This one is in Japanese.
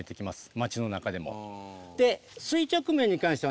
町の中でも。